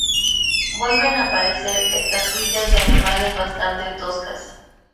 Vuelven a aparecer estatuillas de animales bastante toscas.